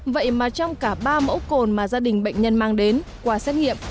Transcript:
vậy mà trong cả ba mẫu cồn mà gia đình bệnh nhân mang đến qua xét nghiệm